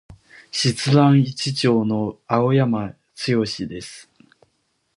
室蘭市長の青山剛です。